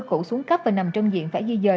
cũ xuống cấp và nằm trong diện phải di dời